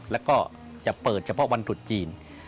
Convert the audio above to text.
แล้วก็จะเปิดเฉพาะวันตรุษจีน